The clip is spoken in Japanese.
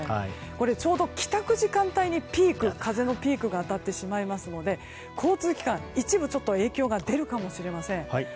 これちょうど帰宅時間帯に風のピークが当たってしまいますので交通機関一部影響が出るかもしれません。